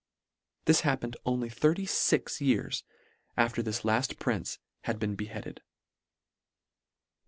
This happened only thirty fix years after this lafi: prince had been beheaded.